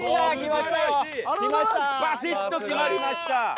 バシッと決まりました。